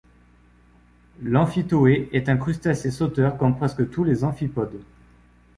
L’amphitoé est un crustacé sauteur comme presque tous les amphipodes.